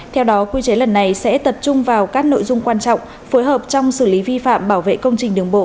theo đó quy chế lần này sẽ tập trung vào các nội dung quan trọng phối hợp trong xử lý vi phạm bảo vệ công trình đường bộ